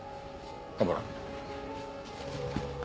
蒲原。